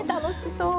そう。